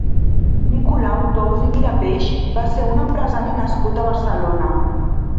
Nicolau Tous i Mirapeix va ser un empresari nascut a Barcelona.